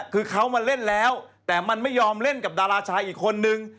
คือเขามาเล่นแล้วแต่มันไม่ยอมเล่นกับดาราชายอีกคนนึง